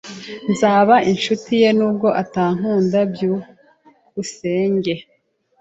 Nzaba inshuti ye nubwo atankunda. byukusenge